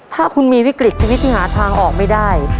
ถ้าคุณมีวิกฤตชีวิตที่หาทางออกไม่ได้